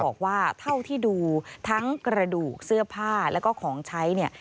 บอกว่าเท่าที่ดูทั้งกระดูกเสื้อผ้าแล้วก็ของใช้เนี่ย